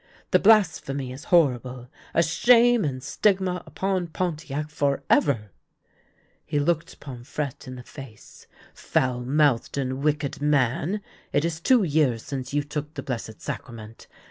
" The blasphemy is horrible, a shame and stigma upon Pon tiac forever." He looked Pomfrette in the face. " Foul mouthed and wicked man, it is two years since you took the Blessed Sacrament.